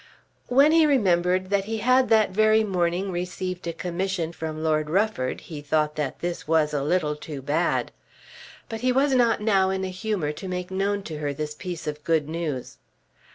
When he remembered that he had that very morning received a commission from Lord Rufford he thought that this was a little too bad. But he was not now in a humour to make known to her this piece of good news.